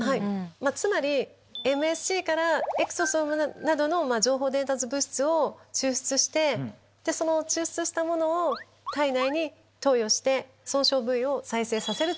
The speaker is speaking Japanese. つまりＭＳＣからエクソソームなどの情報伝達物質を抽出してその抽出したものを体内に投与して損傷部位を再生させる。